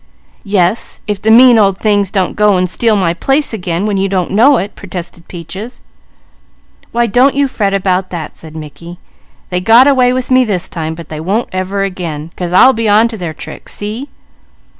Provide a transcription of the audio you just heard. "Yes, if the mean old things don't go an' steal my place again, when you don't know it," protested Peaches. "Well, don't you fret about that," said Mickey. "They got away with me this time, but they won't ever again, 'cause I'll be on to their tricks. See?